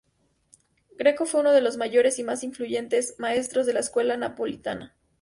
Greco fue uno de los mayores y más influyentes maestros de la escuela napolitana.